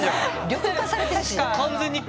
緑化されてるし。